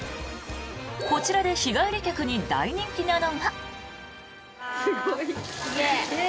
こちらで日帰り客に大人気なのが。